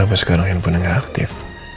kenapa sekarang handphone nya nggak aktif